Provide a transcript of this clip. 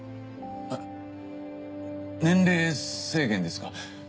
えっ年齢制限ですか？